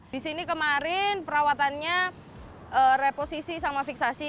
di sini kemarin perawatannya reposisi sama fiksasi